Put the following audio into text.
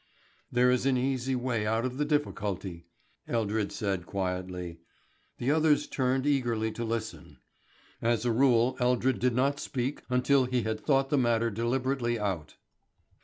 "There is an easy way out of the difficulty," Eldred said quietly. The others turned eagerly to listen. As a rule Eldred did not speak until he had thought the matter deliberately out.